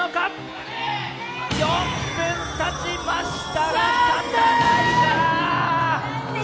４分たちました